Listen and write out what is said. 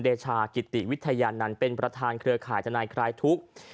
เดชากิติวิทยานันต์เป็นประธานเครือข่ายทนายคลายทุกข์